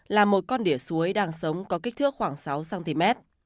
là một con đỉa suối đang sống có kích thước khoảng sáu cm